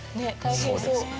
そうですね。